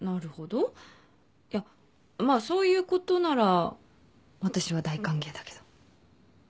いやまあそういうことなら私は大歓迎だけど。